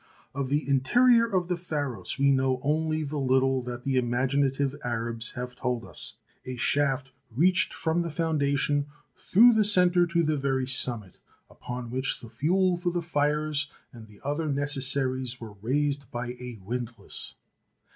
Of the interior of the Pharos we know only the little that the imaginative Arabs have told us. A shaft reached from the foundation through the za 178 THE SEyEN WONDERS centre to the very summit, up which the fuel for the fires and the other necessaries were raised by a windlass.